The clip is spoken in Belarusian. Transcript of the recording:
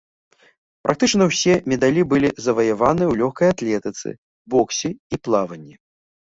Практычна ўсе медалі былі заваяваны ў лёгкай атлетыцы, боксе і плаванні.